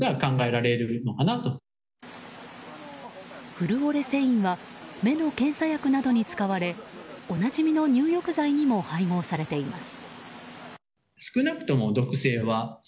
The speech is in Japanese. フルオレセインは目の検査薬などに使われおなじみの入浴剤にも配合されています。